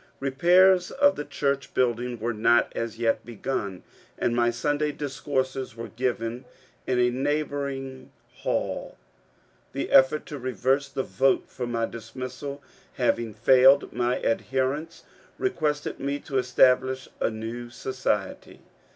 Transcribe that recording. Eepairs of the church building were not as yet begun, and my Sunday discourses were given in a neighbouring hall. The effort to reverse the vote for my dismissal having failed, my adherents requested me to establish a new society.